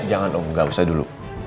jangan om enggak usah dulu